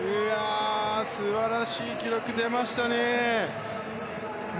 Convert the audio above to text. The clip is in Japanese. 素晴らしい記録が出ましたね。